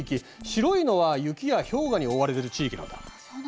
白いのは雪や氷河に覆われる地域なんだ。